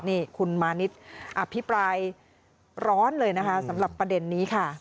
นี่คุณมานิดอภิปรายร้อนเลยนะคะสำหรับประเด็นนี้ค่ะ